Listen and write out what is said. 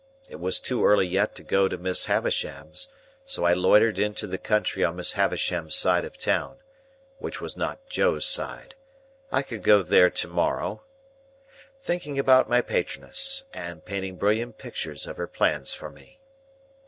It was too early yet to go to Miss Havisham's, so I loitered into the country on Miss Havisham's side of town,—which was not Joe's side; I could go there to morrow,—thinking about my patroness, and painting brilliant pictures of her plans for me.